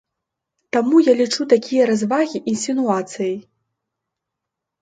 Таму я лічу такія развагі інсінуацыяй.